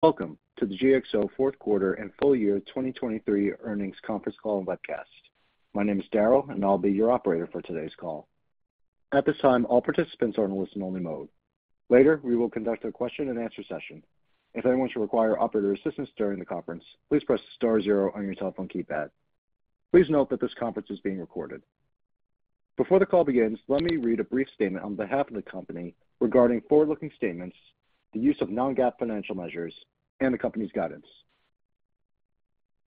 Welcome to the GXO fourth quarter and full year 2023 earnings conference call and webcast. My name is Daryl, and I'll be your operator for today's call. At this time, all participants are on a listen-only mode. Later, we will conduct a question-and-answer session. If anyone should require operator assistance during the conference, please press star zero on your telephone keypad. Please note that this conference is being recorded. Before the call begins, let me read a brief statement on behalf of the company regarding forward-looking statements, the use of non-GAAP financial measures, and the company's guidance.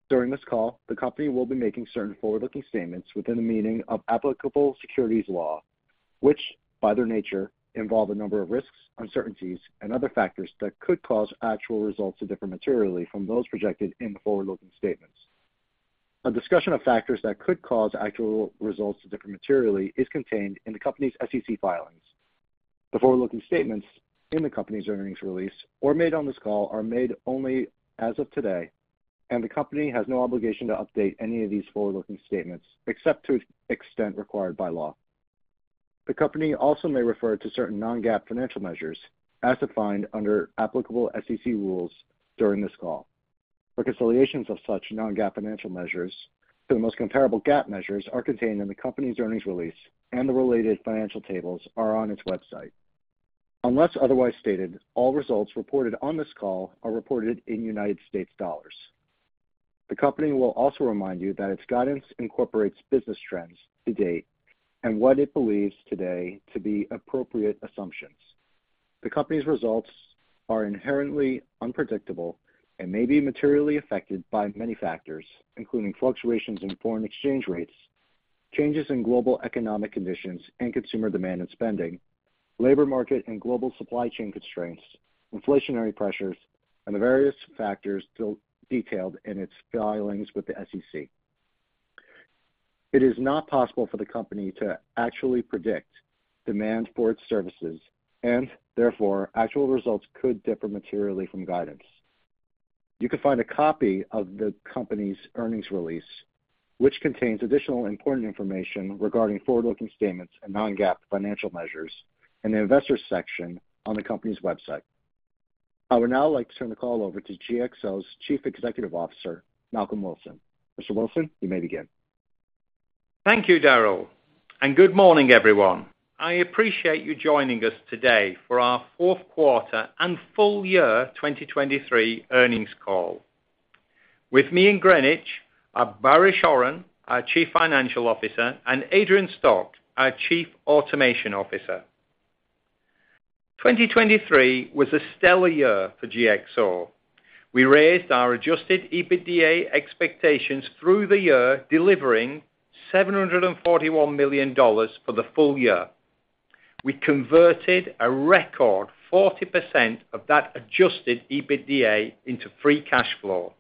During this call, the company will be making certain forward-looking statements within the meaning of applicable securities law, which, by their nature, involve a number of risks, uncertainties, and other factors that could cause actual results to differ materially from those projected in the forward-looking statements. A discussion of factors that could cause actual results to differ materially is contained in the company's SEC filings. The forward-looking statements in the company's earnings release or made on this call are made only as of today, and the company has no obligation to update any of these forward-looking statements, except to the extent required by law. The company also may refer to certain non-GAAP financial measures as defined under applicable SEC rules during this call. Reconciliations of such non-GAAP financial measures to the most comparable GAAP measures are contained in the company's earnings release, and the related financial tables are on its website. Unless otherwise stated, all results reported on this call are reported in United States dollars. The company will also remind you that its guidance incorporates business trends to date and what it believes today to be appropriate assumptions. The company's results are inherently unpredictable and may be materially affected by many factors, including fluctuations in foreign exchange rates, changes in global economic conditions and consumer demand and spending, labor market and global supply chain constraints, inflationary pressures, and the various factors detailed in its filings with the SEC. It is not possible for the company to actually predict demand for its services, and therefore, actual results could differ materially from guidance. You can find a copy of the company's earnings release, which contains additional important information regarding forward-looking statements and non-GAAP Financial Measures in the Investors section on the company's website. I would now like to turn the call over to GXO's Chief Executive Officer, Malcolm Wilson. Mr. Wilson, you may begin. Thank you, Daryl, and good morning, everyone. I appreciate you joining us today for our fourth quarter and full year 2023 earnings call. With me in Greenwich are Baris Oran, our Chief Financial Officer, and Adrian Stoch, our Chief Automation Officer. 2023 was a stellar year for GXO. We raised our adjusted EBITDA expectations through the year, delivering $741 million for the full year. We converted a record 40% of that adjusted EBITDA into free cash flow.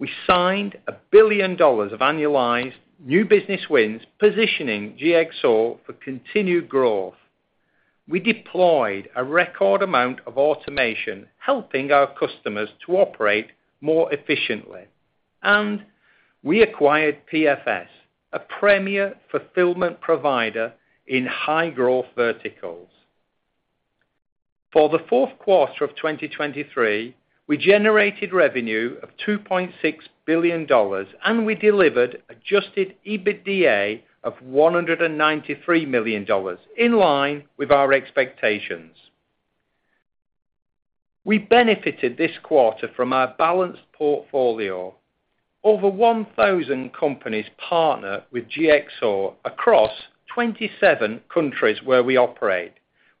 We signed $1 billion of annualized new business wins, positioning GXO for continued growth. We deployed a record amount of automation, helping our customers to operate more efficiently. We acquired PFS, a premier fulfillment provider in high-growth verticals. For the fourth quarter of 2023, we generated revenue of $2.6 billion, and we delivered adjusted EBITDA of $193 million, in line with our expectations. We benefited this quarter from our balanced portfolio. Over 1,000 companies partner with GXO across 27 countries where we operate.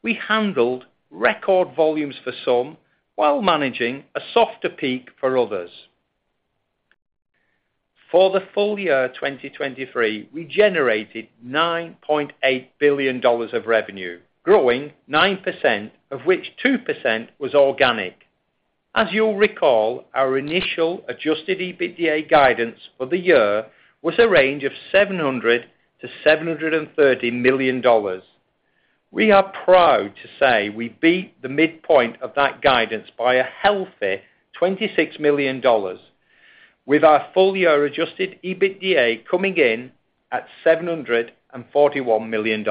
We handled record volumes for some, while managing a softer peak for others. For the full year 2023, we generated $9.8 billion of revenue, growing 9%, of which 2% was organic. As you'll recall, our initial adjusted EBITDA guidance for the year was a range of $700 million-$730 million. We are proud to say we beat the midpoint of that guidance by a healthy $26 million, with our full-year adjusted EBITDA coming in at $741 million.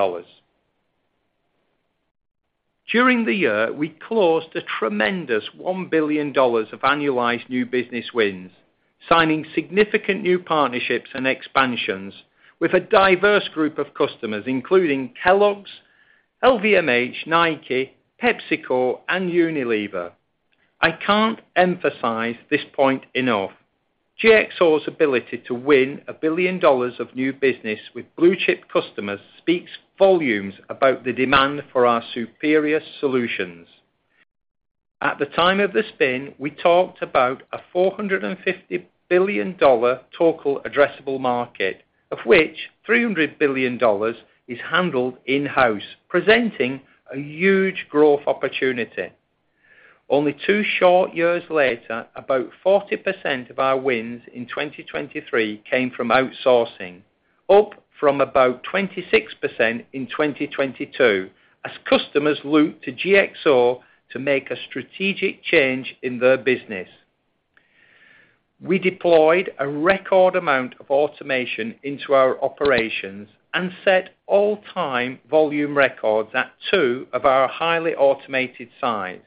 During the year, we closed a tremendous $1 billion of annualized new business wins, signing significant new partnerships and expansions with a diverse group of customers, including Kellogg's, LVMH, Nike, PepsiCo, and Unilever. I can't emphasize this point enough. GXO's ability to win $1 billion of new business with blue-chip customers speaks volumes about the demand for our superior solutions. At the time of the spin, we talked about a $450 billion total addressable market, of which $300 billion is handled in-house, presenting a huge growth opportunity. Only two short years later, about 40% of our wins in 2023 came from outsourcing, up from about 26% in 2022, as customers look to GXO to make a strategic change in their business. We deployed a record amount of automation into our operations and set all-time volume records at two of our highly automated sites.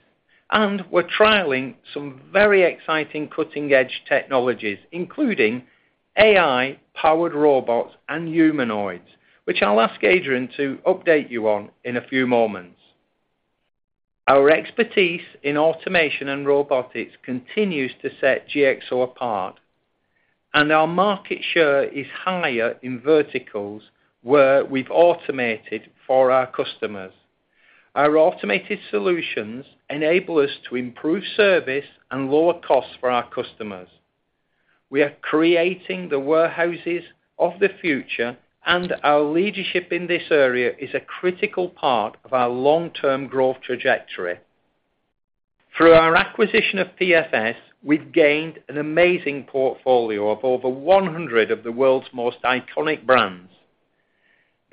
We're trialing some very exciting cutting-edge technologies, including AI-powered robots and humanoids, which I'll ask Adrian to update you on in a few moments. Our expertise in automation and robotics continues to set GXO apart, and our market share is higher in verticals where we've automated for our customers. Our automated solutions enable us to improve service and lower costs for our customers. We are creating the warehouses of the future, and our leadership in this area is a critical part of our long-term growth trajectory. Through our acquisition of PFS, we've gained an amazing portfolio of over 100 of the world's most iconic brands.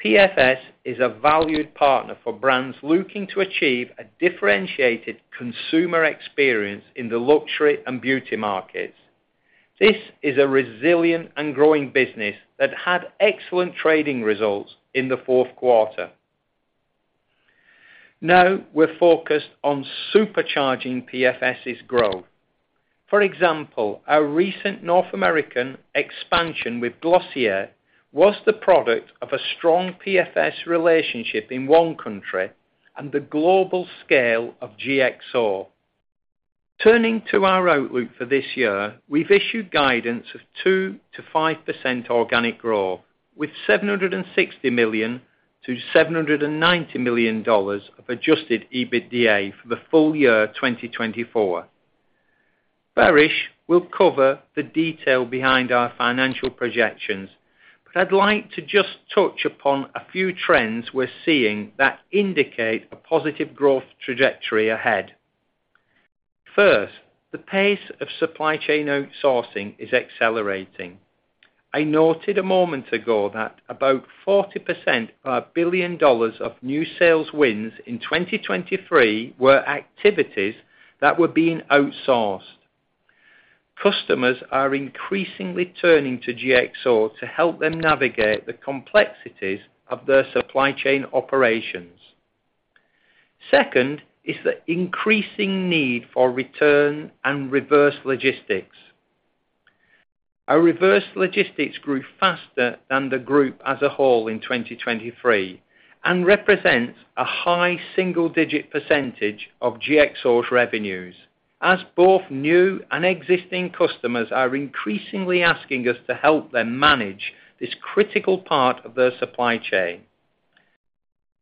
PFS is a valued partner for brands looking to achieve a differentiated consumer experience in the luxury and beauty markets. This is a resilient and growing business that had excellent trading results in the fourth quarter. Now, we're focused on supercharging PFS's growth. For example, our recent North American expansion with Glossier was the product of a strong PFS relationship in one country and the global scale of GXO. Turning to our outlook for this year, we've issued guidance of 2%-5% organic growth, with $760 million-$790 million of Adjusted EBITDA for the full year of 2024. Baris will cover the detail behind our financial projections, but I'd like to just touch upon a few trends we're seeing that indicate a positive growth trajectory ahead. First, the pace of supply chain outsourcing is accelerating. I noted a moment ago that about 40% of our $1 billion of new sales wins in 2023 were activities that were being outsourced. Customers are increasingly turning to GXO to help them navigate the complexities of their supply chain operations. Second, is the increasing need for return and reverse logistics. Our reverse logistics grew faster than the group as a whole in 2023 and represents a high single-digit % of GXO's revenues, as both new and existing customers are increasingly asking us to help them manage this critical part of their supply chain.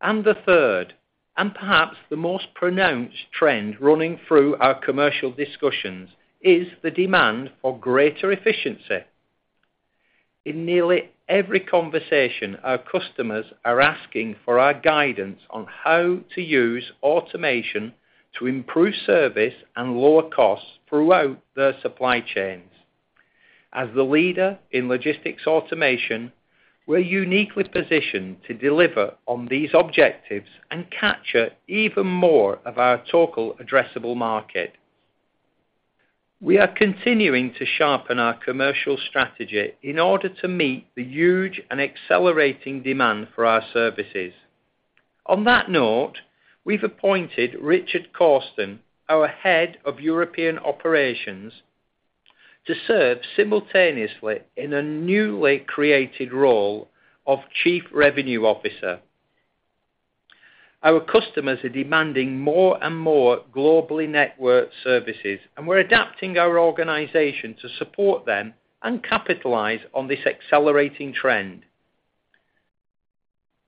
The third, and perhaps the most pronounced trend running through our commercial discussions, is the demand for greater efficiency. In nearly every conversation, our customers are asking for our guidance on how to use automation to improve service and lower costs throughout their supply chains. As the leader in logistics automation, we're uniquely positioned to deliver on these objectives and capture even more of our total addressable market. We are continuing to sharpen our commercial strategy in order to meet the huge and accelerating demand for our services. On that note, we've appointed Richard Cawston, our Head of European Operations, to serve simultaneously in a newly created role of Chief Revenue Officer. Our customers are demanding more and more globally networked services, and we're adapting our organization to support them and capitalize on this accelerating trend.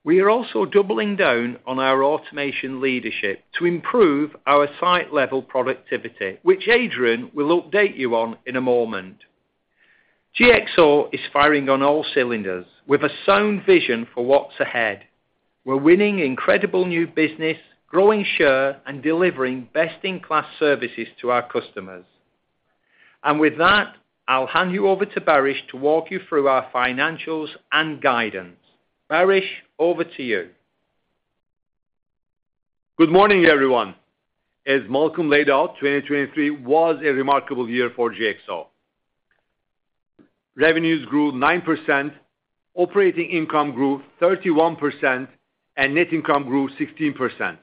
We are also doubling down on our automation leadership to improve our site-level productivity, which Adrian will update you on in a moment. GXO is firing on all cylinders with a sound vision for what's ahead. We're winning incredible new business, growing share, and delivering best-in-class services to our customers. With that, I'll hand you over to Baris to walk you through our financials and guidance. Baris, over to you. Good morning, everyone. As Malcolm laid out, 2023 was a remarkable year for GXO. Revenues grew 9%, operating income grew 31%, and net income grew 16%.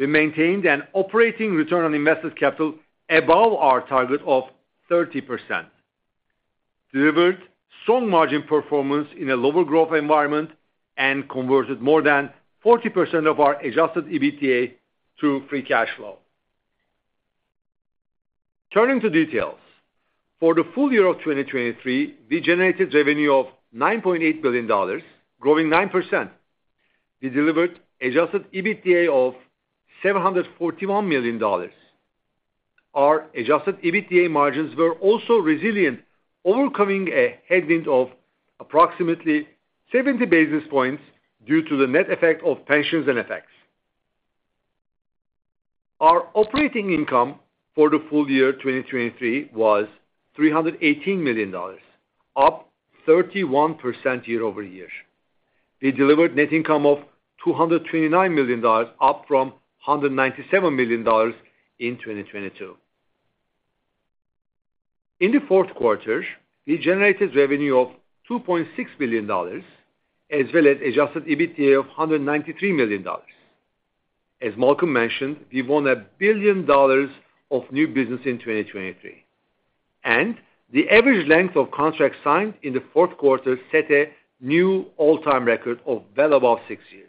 We maintained an operating return on invested capital above our target of 30%, delivered strong margin performance in a lower growth environment, and converted more than 40% of our adjusted EBITDA to free cash flow. Turning to details. For the full year of 2023, we generated revenue of $9.8 billion, growing 9%. We delivered adjusted EBITDA of $741 million. Our adjusted EBITDA margins were also resilient, overcoming a headwind of approximately 70 basis points due to the net effect of pensions and effects. Our operating income for the full year 2023 was $318 million, up 31% year-over-year. We delivered net income of $229 million, up from $197 million in 2022. In the fourth quarter, we generated revenue of $2.6 billion, as well as Adjusted EBITDA of $193 million. As Malcolm mentioned, we won $1 billion of new business in 2023, and the average length of contracts signed in the fourth quarter set a new all-time record of well above six years.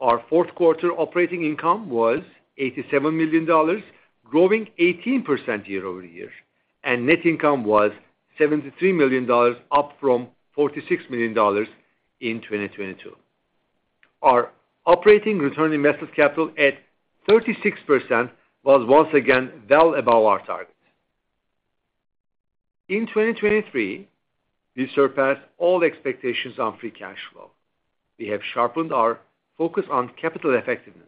Our fourth quarter operating income was $87 million, growing 18% year-over-year, and net income was $73 million, up from $46 million in 2022. Our operating return on invested capital at 36%, was once again, well above our target. In 2023, we surpassed all expectations on Free Cash Flow. We have sharpened our focus on capital effectiveness.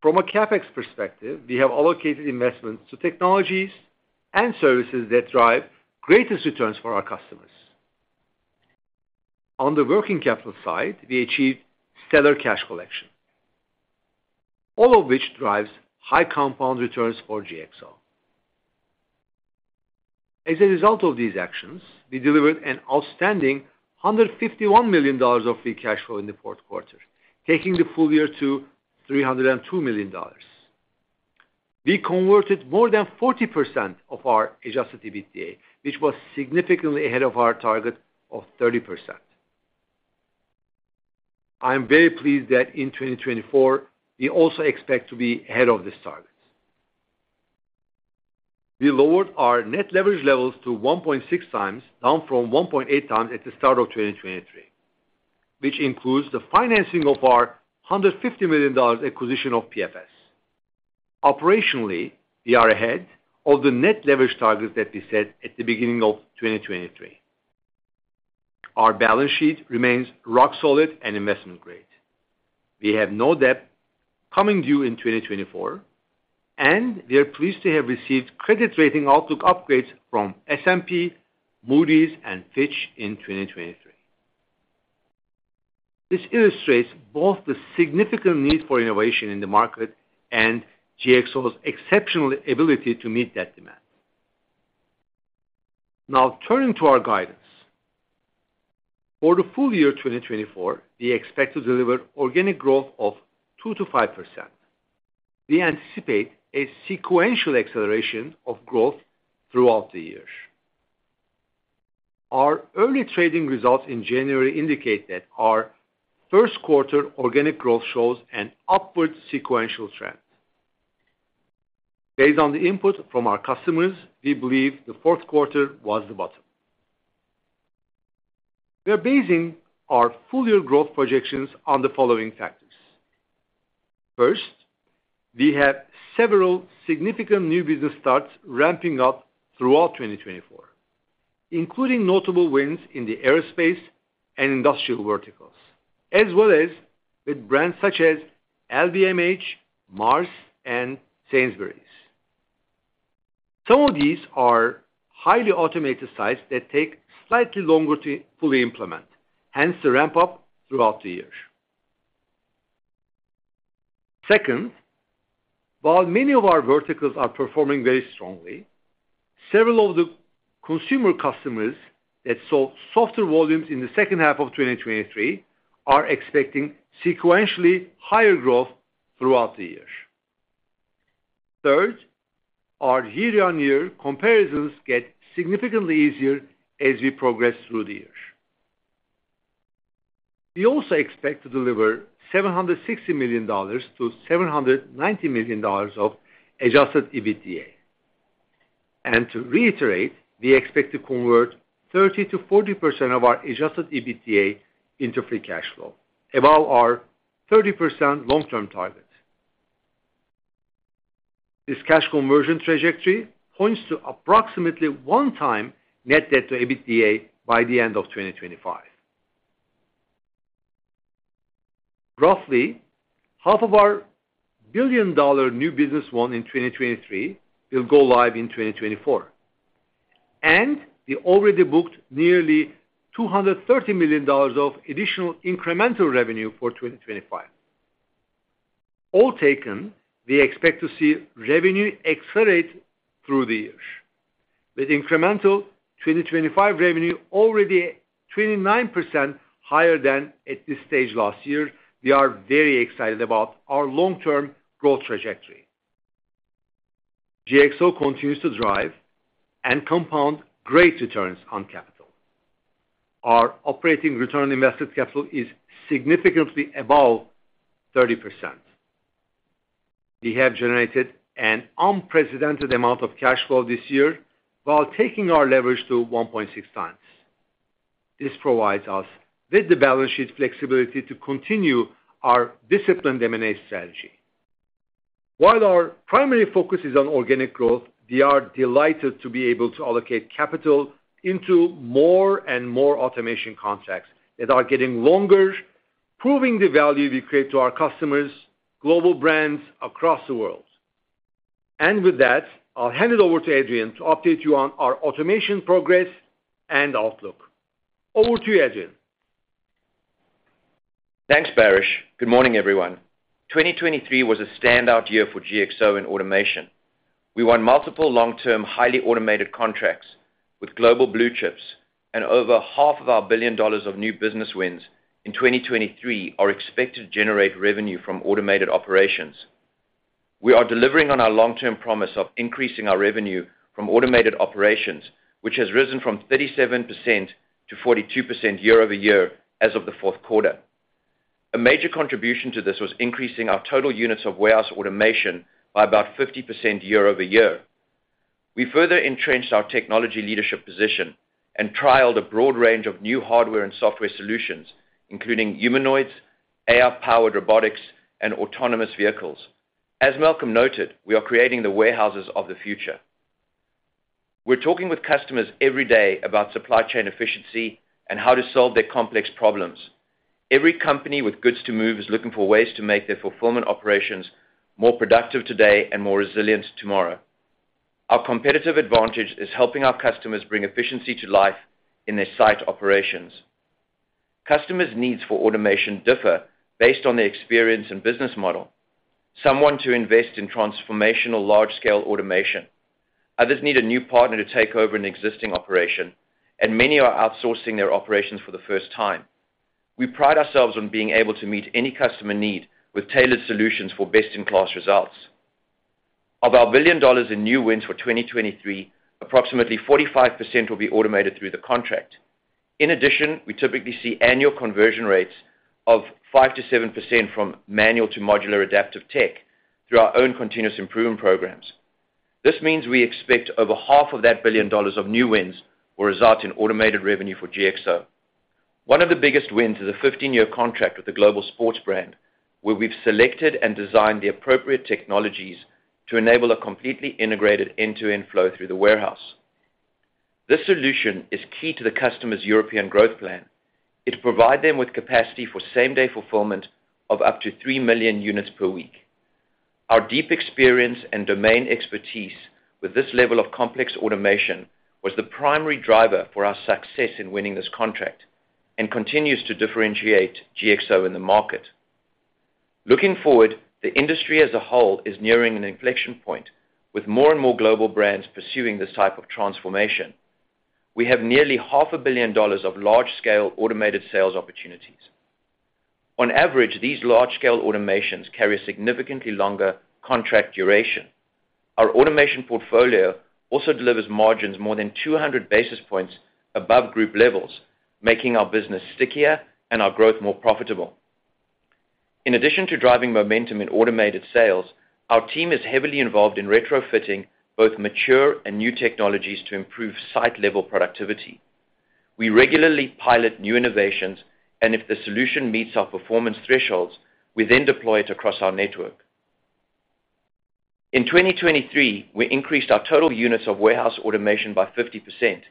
From a CapEx perspective, we have allocated investments to technologies and services that drive greatest returns for our customers. On the working capital side, we achieved stellar cash collection, all of which drives high compound returns for GXO. As a result of these actions, we delivered an outstanding $151 million of free cash flow in the fourth quarter, taking the full year to $302 million. We converted more than 40% of our adjusted EBITDA, which was significantly ahead of our target of 30%. I am very pleased that in 2024, we also expect to be ahead of this target. We lowered our net leverage levels to 1.6x, down from 1.8x at the start of 2023, which includes the financing of our $150 million acquisition of PFS. Operationally, we are ahead of the net leverage targets that we set at the beginning of 2023. Our balance sheet remains rock solid and investment grade. We have no debt coming due in 2024, and we are pleased to have received credit rating outlook upgrades from S&P, Moody's, and Fitch in 2023. This illustrates both the significant need for innovation in the market and GXO's exceptional ability to meet that demand. Now, turning to our guidance. For the full year 2024, we expect to deliver organic growth of 2%-5%. We anticipate a sequential acceleration of growth throughout the year. Our early trading results in January indicate that our first quarter organic growth shows an upward sequential trend. Based on the input from our customers, we believe the fourth quarter was the bottom. We are basing our full year growth projections on the following factors: First, we have several significant new business starts ramping up throughout 2024, including notable wins in the aerospace and industrial verticals, as well as with brands such as LVMH, Mars, and Sainsbury's. Some of these are highly automated sites that take slightly longer to fully implement, hence the ramp up throughout the year. Second, while many of our verticals are performing very strongly, several of the consumer customers that saw softer volumes in the second half of 2023, are expecting sequentially higher growth throughout the year. Third, our year-on-year comparisons get significantly easier as we progress through the year. We also expect to deliver $760 million-$790 million of Adjusted EBITDA. To reiterate, we expect to convert 30%-40% of our adjusted EBITDA into free cash flow, above our 30% long-term target. This cash conversion trajectory points to approximately 1x net debt to EBITDA by the end of 2025. Roughly half of our billion-dollar new business won in 2023 will go live in 2024, and we already booked nearly $230 million of additional incremental revenue for 2025. All taken, we expect to see revenue accelerate through the years. With incremental 2025 revenue already 29% higher than at this stage last year, we are very excited about our long-term growth trajectory. GXO continues to drive and compound great returns on capital. Our operating return on invested capital is significantly above 30%. We have generated an unprecedented amount of cash flow this year while taking our leverage to 1.6x. This provides us with the balance sheet flexibility to continue our disciplined M&A strategy. While our primary focus is on organic growth, we are delighted to be able to allocate capital into more and more automation contracts that are getting longer, proving the value we create to our customers, global brands across the world. With that, I'll hand it over to Adrian to update you on our automation progress and outlook. Over to you, Adrian. Thanks, Baris. Good morning, everyone. 2023 was a standout year for GXO in automation. We won multiple long-term, highly automated contracts with global blue chips, and over half of our $1 billion of new business wins in 2023 are expected to generate revenue from automated operations. We are delivering on our long-term promise of increasing our revenue from automated operations, which has risen from 37% to 42% year-over-year as of the fourth quarter. A major contribution to this was increasing our total units of warehouse automation by about 50% year-over-year. We further entrenched our technology leadership position and trialed a broad range of new hardware and software solutions, including humanoids, AI-powered robotics, and autonomous vehicles. As Malcolm noted, we are creating the warehouses of the future. We're talking with customers every day about supply chain efficiency and how to solve their complex problems. Every company with goods to move is looking for ways to make their fulfillment operations more productive today and more resilient tomorrow. Our competitive advantage is helping our customers bring efficiency to life in their site operations. Customers' needs for automation differ based on their experience and business model. Some want to invest in transformational large-scale automation, others need a new partner to take over an existing operation, and many are outsourcing their operations for the first time. We pride ourselves on being able to meet any customer need with tailored solutions for best-in-class results. Of our $1 billion in new wins for 2023, approximately 45% will be automated through the contract. In addition, we typically see annual conversion rates of 5%-7% from manual to modular adaptive tech through our own continuous improvement programs. This means we expect over half of that $1 billion of new wins will result in automated revenue for GXO. One of the biggest wins is a 15-year contract with a global sports brand, where we've selected and designed the appropriate technologies to enable a completely integrated end-to-end flow through the warehouse. This solution is key to the customer's European growth plan. It'll provide them with capacity for same-day fulfillment of up to 3 million units per week. Our deep experience and domain expertise with this level of complex automation was the primary driver for our success in winning this contract and continues to differentiate GXO in the market. Looking forward, the industry as a whole is nearing an inflection point, with more and more global brands pursuing this type of transformation. We have nearly $500 million of large-scale automated sales opportunities. On average, these large-scale automations carry a significantly longer contract duration. Our automation portfolio also delivers margins more than 200 basis points above group levels, making our business stickier and our growth more profitable. In addition to driving momentum in automated sales, our team is heavily involved in retrofitting both mature and new technologies to improve site-level productivity. We regularly pilot new innovations, and if the solution meets our performance thresholds, we then deploy it across our network. In 2023, we increased our total units of warehouse automation by 50%.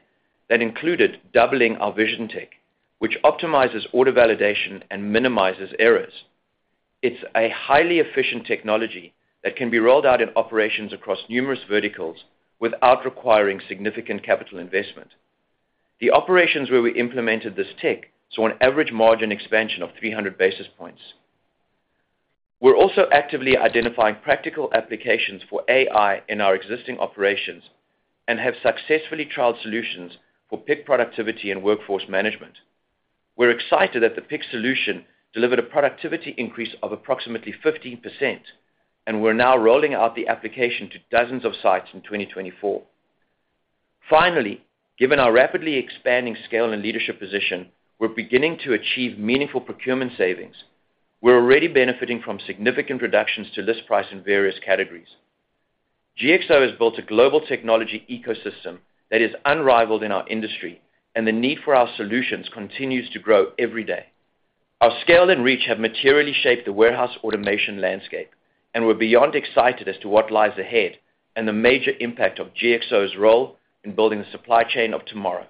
That included doubling our vision tech, which optimizes order validation and minimizes errors. It's a highly efficient technology that can be rolled out in operations across numerous verticals without requiring significant capital investment. The operations where we implemented this tech saw an average margin expansion of 300 basis points. We're also actively identifying practical applications for AI in our existing operations and have successfully trialed solutions for pick productivity and workforce management. We're excited that the pick solution delivered a productivity increase of approximately 15%, and we're now rolling out the application to dozens of sites in 2024. Finally, given our rapidly expanding scale and leadership position, we're beginning to achieve meaningful procurement savings. We're already benefiting from significant reductions to list price in various categories. GXO has built a global technology ecosystem that is unrivaled in our industry, and the need for our solutions continues to grow every day. Our scale and reach have materially shaped the warehouse automation landscape, and we're beyond excited as to what lies ahead and the major impact of GXO's role in building the supply chain of tomorrow.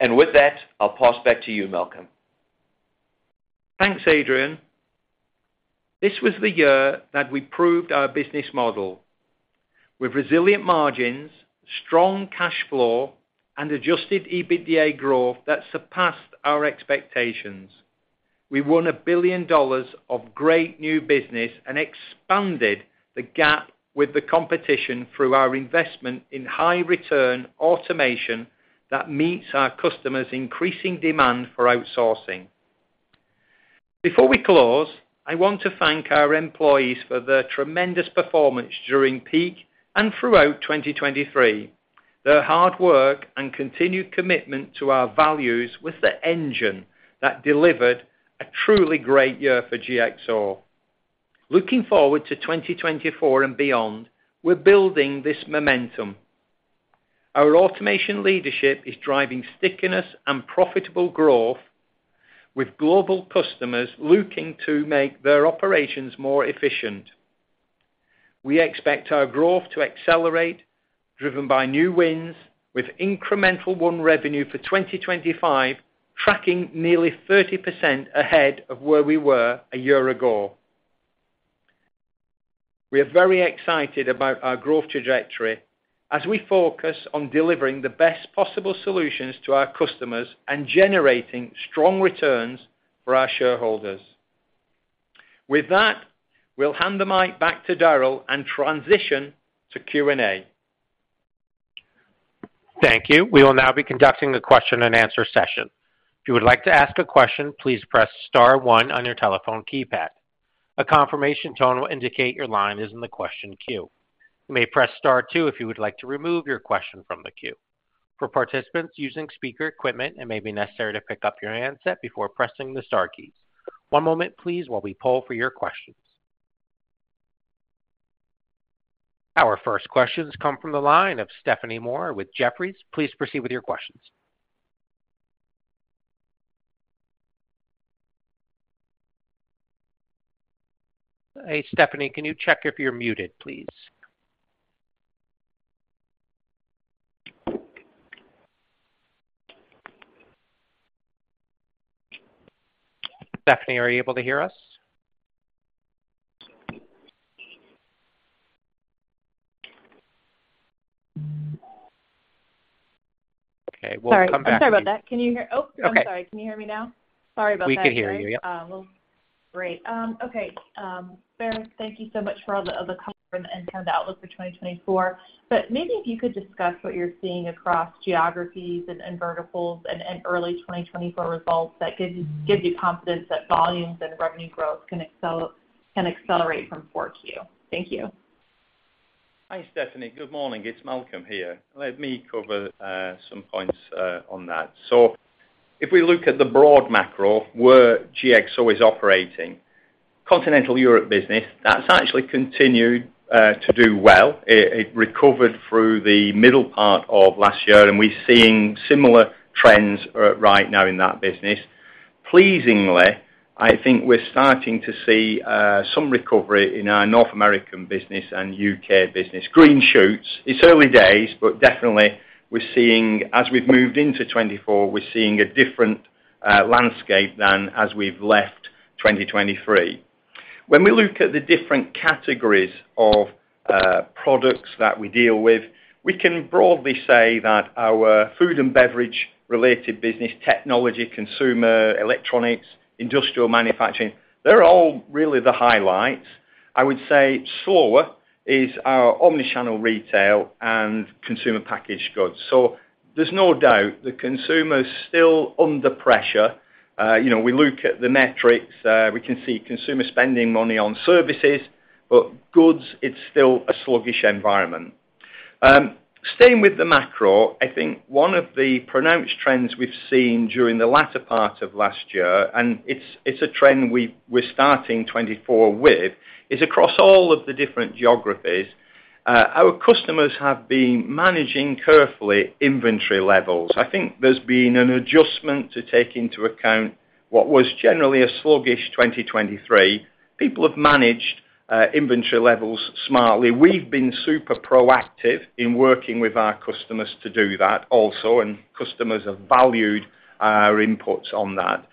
With that, I'll pass back to you, Malcolm. Thanks, Adrian. This was the year that we proved our business model. With resilient margins, strong cash flow, and Adjusted EBITDA growth that surpassed our expectations, we won $1 billion of great new business and expanded the gap with the competition through our investment in high-return automation that meets our customers' increasing demand for outsourcing. Before we close, I want to thank our employees for their tremendous performance during peak and throughout 2023. Their hard work and continued commitment to our values was the engine that delivered a truly great year for GXO. Looking forward to 2024 and beyond, we're building this momentum. Our automation leadership is driving stickiness and profitable growth with global customers looking to make their operations more efficient. We expect our growth to accelerate driven by new wins, with incremental new revenue for 2025 tracking nearly 30% ahead of where we were a year ago. We are very excited about our growth trajectory as we focus on delivering the best possible solutions to our customers and generating strong returns for our shareholders. With that, we'll hand the mic back to Daryl and transition to Q&A. Thank you. We will now be conducting the question-and-answer session. If you would like to ask a question, please press star one on your telephone keypad. A confirmation tone will indicate your line is in the question queue. You may press star two if you would like to remove your question from the queue. For participants using speaker equipment, it may be necessary to pick up your handset before pressing the star keys. One moment please, while we poll for your questions. Our first questions come from the line of Stephanie Moore with Jefferies. Please proceed with your questions. Hey, Stephanie, can you check if you're muted, please? Stephanie, are you able to hear us? Okay, we'll come back to you. Sorry about that. Can you hear? Oh, I'm sorry. Okay. Can you hear me now? Sorry about that. We can hear you, yep. Well, great. Okay, thank you so much for all the, the cover and kind of outlook for 2024. But maybe if you could discuss what you're seeing across geographies and, and verticals and, and early 2024 results that give you, give you confidence that volumes and revenue growth can accelerate from Q4. Thank you. Hi, Stephanie. Good morning, it's Malcolm here. Let me cover some points on that. So if we look at the broad macro, where GXO is operating, Continental Europe business, that's actually continued to do well. It recovered through the middle part of last year, and we're seeing similar trends right now in that business. Pleasingly, I think we're starting to see some recovery in our North American business and U.K. business. Green shoots. It's early days, but definitely we're seeing, as we've moved into 2024, we're seeing a different landscape than as we've left 2023. When we look at the different categories of products that we deal with, we can broadly say that our food and beverage related business, technology, consumer, electronics, industrial manufacturing, they're all really the highlights. I would say slower is our omni-channel retail and consumer packaged goods. So there's no doubt the consumer is still under pressure. You know, we look at the metrics, we can see consumer spending money on services, but goods, it's still a sluggish environment. Staying with the macro, I think one of the pronounced trends we've seen during the latter part of last year, and it's a trend we're starting 2024 with, is across all of the different geographies, our customers have been managing carefully inventory levels. I think there's been an adjustment to take into account what was generally a sluggish 2023. People have managed inventory levels smartly. We've been super proactive in working with our customers to do that also, and customers have valued our inputs on that.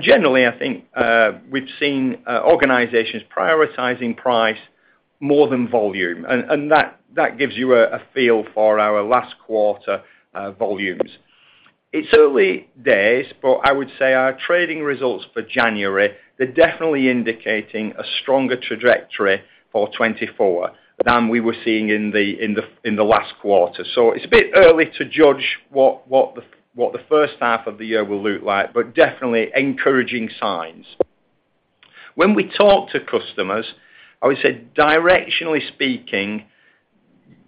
Generally, I think we've seen organizations prioritizing price more than volume, and that gives you a feel for our last quarter volumes. It's early days, but I would say our trading results for January; they're definitely indicating a stronger trajectory for 2024 than we were seeing in the last quarter. So it's a bit early to judge what the first half of the year will look like, but definitely encouraging signs. When we talk to customers, I would say directionally speaking,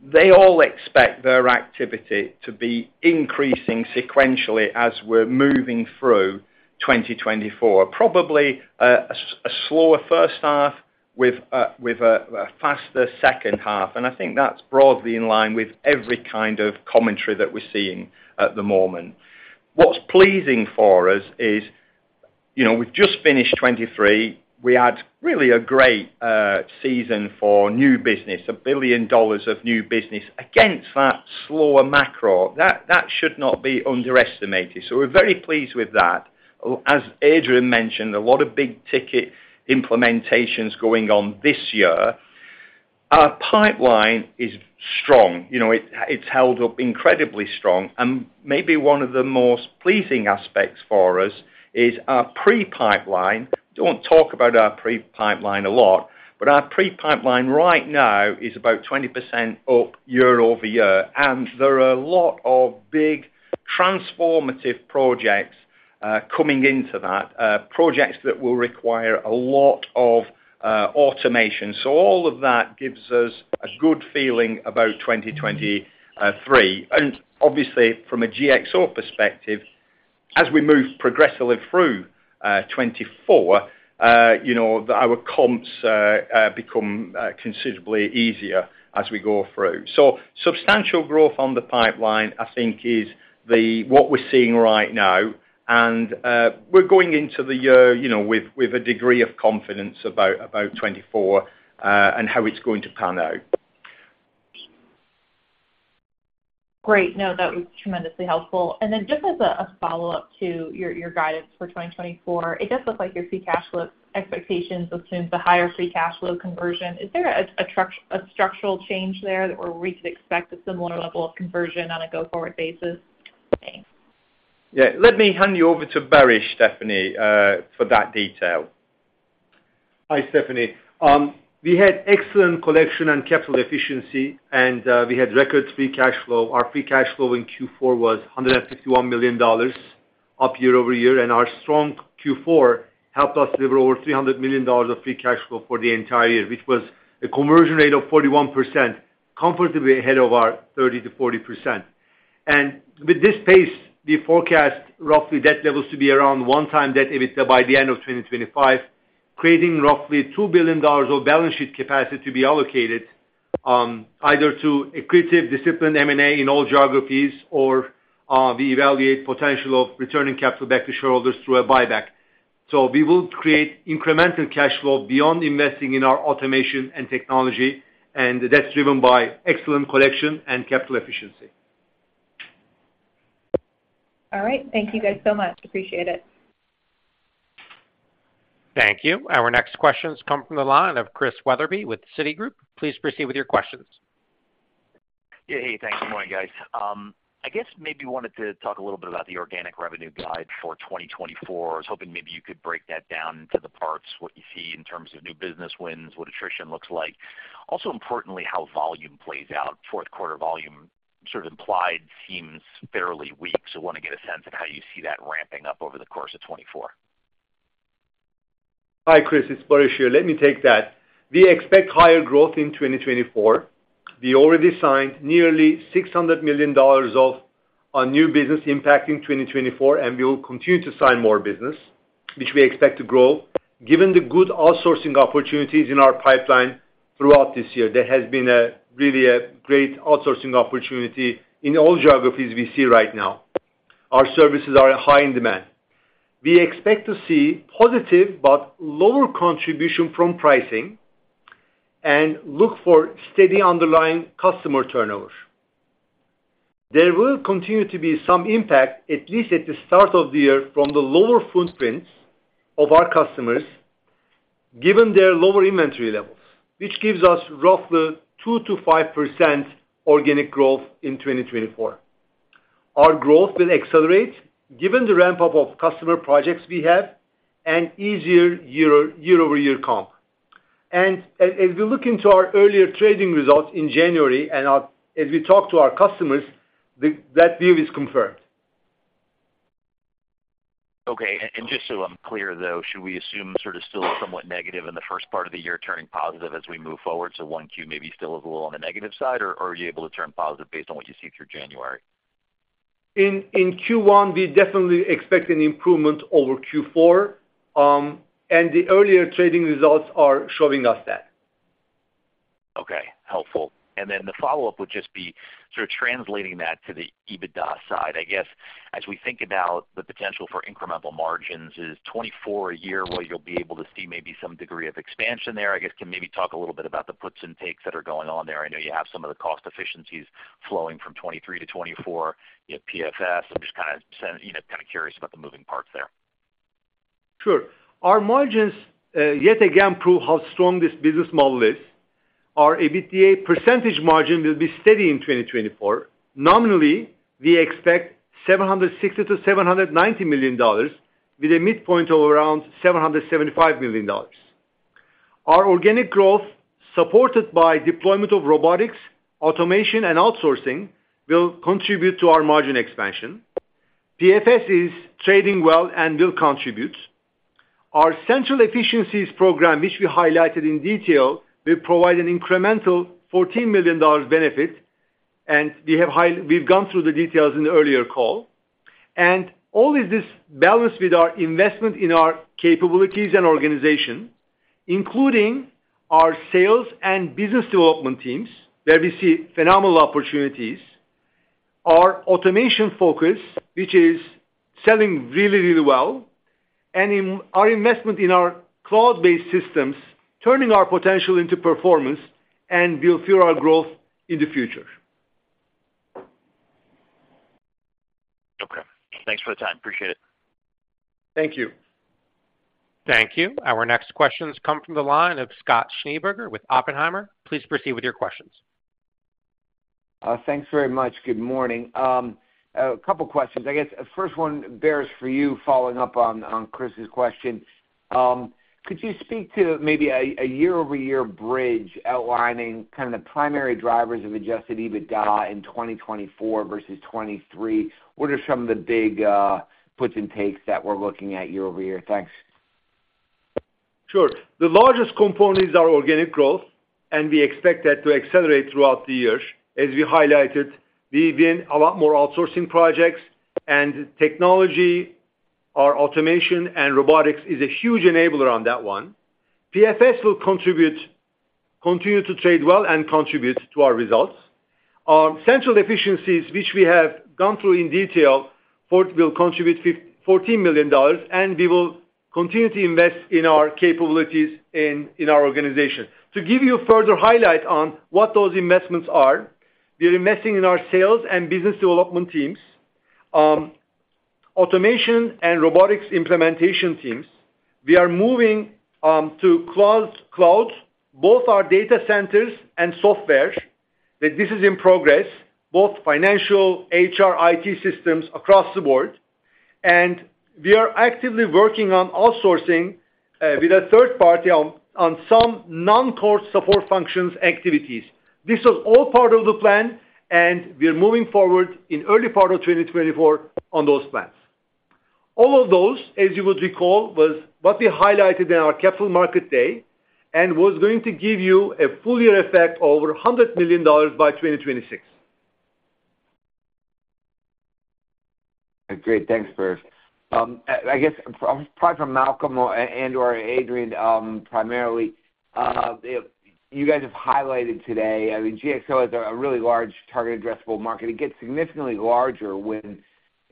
they all expect their activity to be increasing sequentially as we're moving through 2024. Probably a slower first half with a faster second half, and I think that's broadly in line with every kind of commentary that we're seeing at the moment. What's pleasing for us is, you know, we've just finished 2023. We had really a great season for new business, $1 billion of new business against that slower macro. That should not be underestimated. So we're very pleased with that. As Adrian mentioned, a lot of big-ticket implementations going on this year. Our pipeline is strong. You know, it, it's held up incredibly strong, and maybe one of the most pleasing aspects for us is our pre-pipeline. Don't talk about our pre-pipeline a lot, but our pre-pipeline right now is about 20% up year-over-year, and there are a lot of big transformative projects coming into that, projects that will require a lot of automation. So all of that gives us a good feeling about 2023. And obviously, from a GXO perspective, as we move progressively through 2024, you know, our comps become considerably easier as we go through. So substantial growth on the pipeline, I think, is the... What we're seeing right now, and we're going into the year, you know, with a degree of confidence about 2024, and how it's going to pan out. Great. No, that was tremendously helpful. And then just as a follow-up to your guidance for 2024, it does look like your free cash flow expectations assumes a higher free cash flow conversion. Is there a structural change there that we could expect a similar level of conversion on a go-forward basis? Thanks. Yeah, let me hand you over to Baris, Stephanie, for that detail. Hi, Stephanie. We had excellent collection and capital efficiency, and we had record free cash flow. Our free cash flow in Q4 was $151 million, up year-over-year, and our strong Q4 helped us deliver over $300 million of free cash flow for the entire year, which was a conversion rate of 41%, comfortably ahead of our 30%-40%. With this pace, we forecast roughly debt levels to be around 1x debt by the end of 2025, creating roughly $2 billion of balance sheet capacity to be allocated either to accretive disciplined M&A in all geographies or we evaluate potential of returning capital back to shareholders through a buyback. So we will create incremental cash flow beyond investing in our automation and technology, and that's driven by excellent collection and capital efficiency. All right. Thank you guys so much. Appreciate it. Thank you. Our next questions come from the line of Chris Wetherbee with Citigroup. Please proceed with your questions. Yeah. Hey, thanks. Good morning, guys. I guess maybe wanted to talk a little bit about the organic revenue guide for 2024. I was hoping maybe you could break that down into the parts, what you see in terms of new business wins, what attrition looks like. Also, importantly, how volume plays out. Fourth quarter volume sort of implied seems fairly weak, so want to get a sense of how you see that ramping up over the course of 2024. Hi, Chris, it's Baris here. Let me take that. We expect higher growth in 2024. We already signed nearly $600 million of new business impacting 2024, and we will continue to sign more business, which we expect to grow. Given the good outsourcing opportunities in our pipeline throughout this year, there has been a really a great outsourcing opportunity in all geographies we see right now. Our services are high in demand. We expect to see positive but lower contribution from pricing, and look for steady underlying customer turnover. There will continue to be some impact, at least at the start of the year, from the lower footprints of our customers, given their lower inventory levels, which gives us roughly 2%-5% organic growth in 2024. Our growth will accelerate given the ramp-up of customer projects we have, and easier year-over-year comp. And as we look into our earlier trading results in January and our... As we talk to our customers, that view is confirmed. Okay. Just so I'm clear though, should we assume sort of still somewhat negative in the first part of the year, turning positive as we move forward? 1Q maybe still is a little on the negative side, or are you able to turn positive based on what you see through January? In Q1, we definitely expect an improvement over Q4, and the earlier trading results are showing us that. Okay. Helpful. And then the follow-up would just be sort of translating that to the EBITDA side. I guess, as we think about the potential for incremental margins, is 2024 a year where you'll be able to see maybe some degree of expansion there? I guess can maybe talk a little bit about the puts and takes that are going on there. I know you have some of the cost efficiencies flowing from 2023 to 2024, you have PFS. I'm just kind of sensing, you know, kind of curious about the moving parts there. Sure. Our margins yet again prove how strong this business model is. Our EBITDA percentage margin will be steady in 2024. Nominally, we expect $760 million-$790 million, with a midpoint of around $775 million. Our organic growth, supported by deployment of robotics, automation, and outsourcing, will contribute to our margin expansion. PFS is trading well and will contribute. Our central efficiencies program, which we highlighted in detail, will provide an incremental $14 million benefit, and we've gone through the details in the earlier call. And all of this balanced with our investment in our capabilities and organization, including our sales and business development teams, where we see phenomenal opportunities. Our automation focus, which is selling really, really well, and in our investment in our cloud-based systems, turning our potential into performance and will fuel our growth in the future. Okay. Thanks for the time. Appreciate it. Thank you. Thank you. Our next questions come from the line of Scott Schneeberger with Oppenheimer. Please proceed with your questions. Thanks very much. Good morning. A couple questions. I guess the first one, Baris, for you, following up on, on Chris's question. Could you speak to maybe a, a year-over-year bridge outlining kind of the primary drivers of Adjusted EBITDA in 2024 versus 2023? What are some of the big, puts and takes that we're looking at year over year? Thanks. Sure. The largest component is our organic growth, and we expect that to accelerate throughout the year. As we highlighted, we've been a lot more outsourcing projects and technology. Our automation and robotics is a huge enabler on that one. PFS will continue to trade well and contribute to our results. Our central efficiencies, which we have gone through in detail, will contribute $14 million, and we will continue to invest in our capabilities in our organization. To give you further highlight on what those investments are, we are investing in our sales and business development teams, automation and robotics implementation teams. We are moving to the cloud, both our data centers and software, that this is in progress, both financial, HR, IT systems across the board. We are actively working on outsourcing with a third party on some non-core support functions activities. This was all part of the plan, and we are moving forward in early part of 2024 on those plans. All of those, as you would recall, was what we highlighted in our Capital Markets Day and was going to give you a full year effect over $100 million by 2026. Great. Thanks, Baris. I guess, probably from Malcolm or and/or Adrian, primarily, you guys have highlighted today. I mean, GXO is a really large total addressable market. It gets significantly larger when,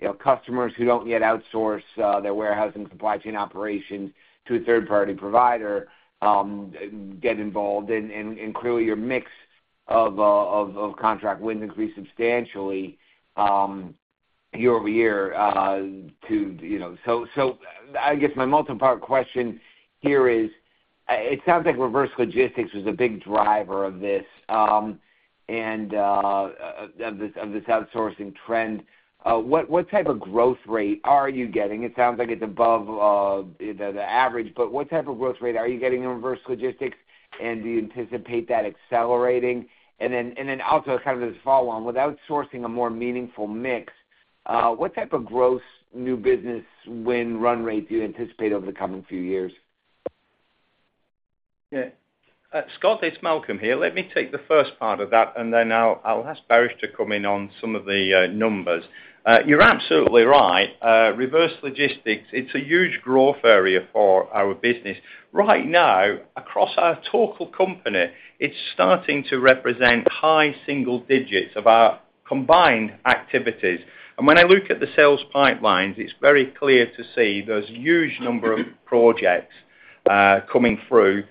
you know, customers who don't yet outsource their warehousing supply chain operations to a third-party provider get involved, and clearly, your mix of contract would increase substantially year-over-year, you know. So I guess my multi-part question here is, it sounds like reverse logistics was a big driver of this and of this outsourcing trend. What type of growth rate are you getting? It sounds like it's above the average, but what type of growth rate are you getting in reverse logistics, and do you anticipate that accelerating? And then also kind of this follow-on, without sourcing a more meaningful mix, what type of growth new business win run rate do you anticipate over the coming few years? Yeah. Scott, it's Malcolm here. Let me take the first part of that, and then I'll ask Baris to come in on some of the numbers. You're absolutely right. Reverse logistics, it's a huge growth area for our business. Right now, across our total company, it's starting to represent high single digits of our combined activities. And when I look at the sales pipelines, it's very clear to see there's huge number of projects coming through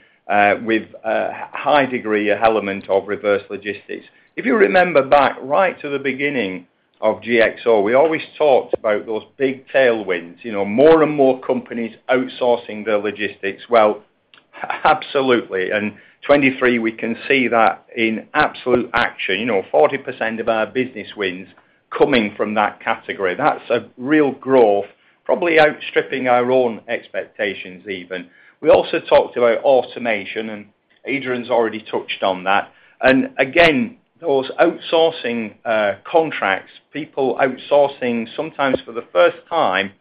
with a high degree element of reverse logistics. If you remember back right to the beginning of GXO, we always talked about those big tailwinds, you know, more and more companies outsourcing their logistics. Well, absolutely, and 2023, we can see that in absolute action. You know, 40% of our business wins coming from that category. That's a real growth, probably outstripping our own expectations even. We also talked about automation, and Adrian's already touched on that. Again, those outsourcing contracts, people outsourcing sometimes for the first time,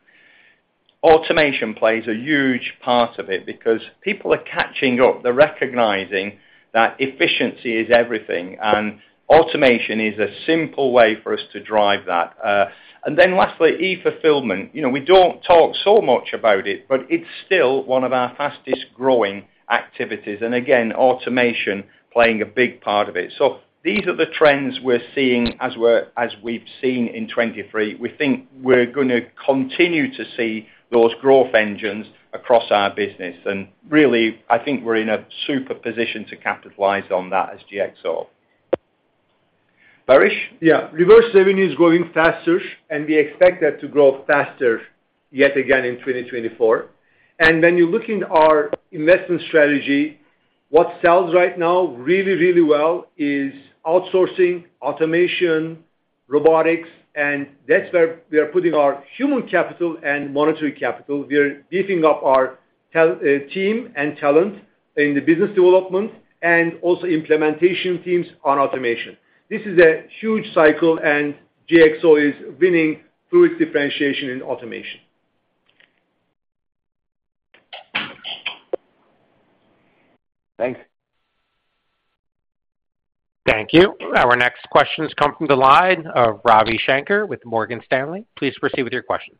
automation plays a huge part of it because people are catching up. They're recognizing that efficiency is everything, and automation is a simple way for us to drive that. And then lastly, e-fulfillment. You know, we don't talk so much about it, but it's still one of our fastest-growing activities, and again, automation playing a big part of it. So these are the trends we're seeing as we've seen in 2023. We think we're gonna continue to see those growth engines across our business. And really, I think we're in a super position to capitalize on that as GXO. Baris? Yeah. Reverse revenue is growing faster, and we expect that to grow faster yet again in 2024. And when you look into our investment strategy, what sells right now really, really well is outsourcing, automation, robotics, and that's where we are putting our human capital and monetary capital. We are beefing up our team and talent in the business development and also implementation teams on automation. This is a huge cycle, and GXO is winning through its differentiation in automation. Thanks. Thank you. Our next question has come from the line of Ravi Shanker with Morgan Stanley. Please proceed with your questions.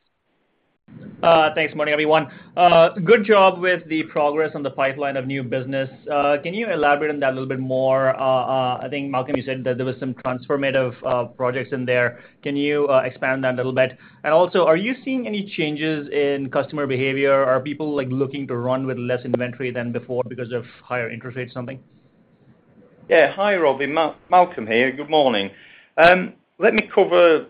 Thanks. Morning, everyone. Good job with the progress on the pipeline of new business. Can you elaborate on that a little bit more? I think, Malcolm, you said that there was some transformative projects in there. Can you expand on that a little bit? And also, are you seeing any changes in customer behavior? Are people, like, looking to run with less inventory than before because of higher interest rates or something? Yeah. Hi, Ravi. Malcolm here. Good morning. Let me cover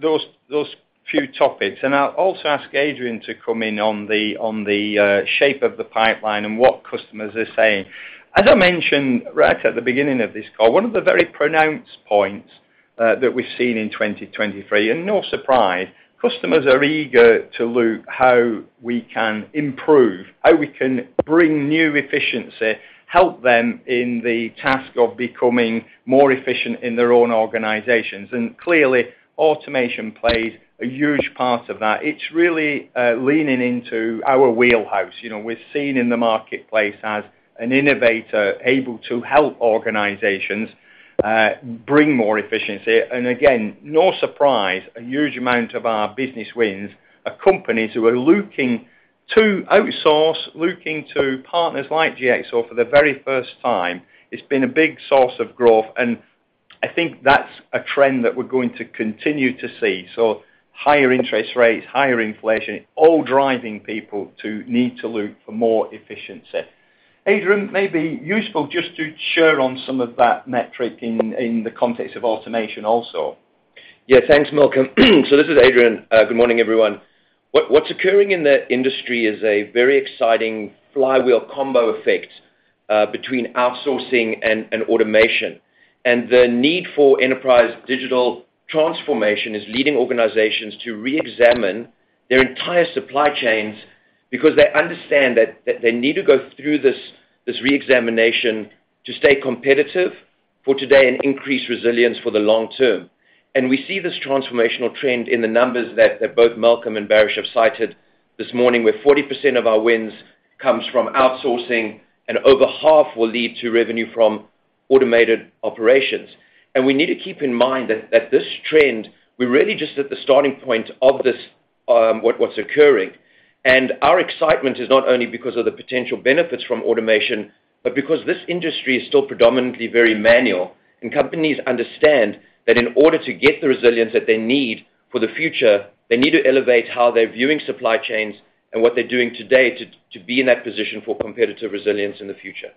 those few topics, and I'll also ask Adrian to come in on the shape of the pipeline and what customers are saying. As I mentioned right at the beginning of this call, one of the very pronounced points that we've seen in 2023, and no surprise, customers are eager to look how we can improve, how we can bring new efficiency, help them in the task of becoming more efficient in their own organizations. And clearly, automation plays a huge part of that. It's really leaning into our wheelhouse. You know, we're seen in the marketplace as an innovator, able to help organizations bring more efficiency. And again, no surprise, a huge amount of our business wins are companies who are looking-... To outsource, looking to partners like GXO for the very first time, it's been a big source of growth, and I think that's a trend that we're going to continue to see. So higher interest rates, higher inflation, all driving people to need to look for more efficiency. Adrian, it may be useful just to share on some of that metric in the context of automation also. Yeah, thanks, Malcolm. So this is Adrian. Good morning, everyone. What's occurring in the industry is a very exciting flywheel combo effect between outsourcing and automation. And the need for enterprise digital transformation is leading organizations to reexamine their entire supply chains because they understand that they need to go through this reexamination to stay competitive for today and increase resilience for the long term. And we see this transformational trend in the numbers that both Malcolm and Baris have cited this morning, where 40% of our wins comes from outsourcing, and over half will lead to revenue from automated operations. And we need to keep in mind that this trend, we're really just at the starting point of this, what's occurring. Our excitement is not only because of the potential benefits from automation, but because this industry is still predominantly very manual, and companies understand that in order to get the resilience that they need for the future, they need to elevate how they're viewing supply chains and what they're doing today to be in that position for competitive resilience in the future.